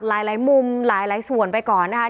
หลายมุมหลายส่วนไปก่อนนะคะ